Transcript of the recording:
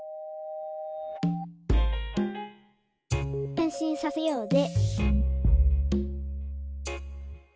「へんしんさせようぜ」